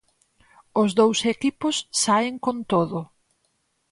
Os dous equipos saen con todo.